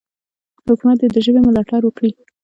حکومت دې د ژبې ملاتړ وکړي.